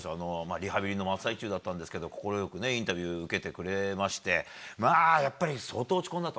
リハビリの真っ最中だったんですけど快くインタビューを受けてくれましてやっぱり相当落ち込んだと。